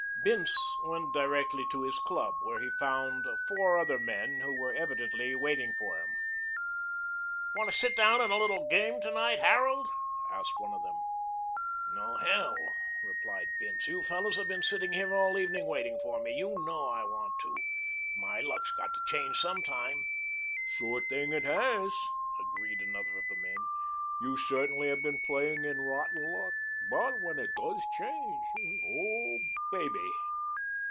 Bince went directly to his club, where he found four other men who were evidently awaiting him. "Want to sit in a little game to night, Harold?" asked one of them. "Oh, hell," replied Bince, "you fellows have been sitting here all evening waiting for me. You know I want to. My luck's got to change some time." "Sure thing it has," agreed another of the men. "You certainly have been playing in rotten luck, but when it does change oh, baby!"